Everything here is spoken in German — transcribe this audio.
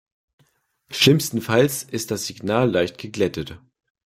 Schlimmstenfalls ist das Signal leicht geglättet.